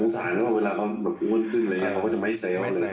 โฟงสารนะว่าเวลาเขาวับอ้วนขึ้นอะไรอย่างเงี้ยเขาก็จะไม่เซล